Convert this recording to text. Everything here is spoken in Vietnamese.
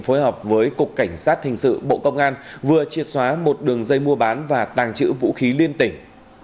phối hợp với cục cảnh sát hình sự bộ công an vừa triệt xóa một đường dây mua bán và tàng trữ vũ khí liên tỉnh